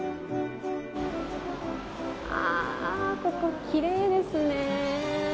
あここきれいですね。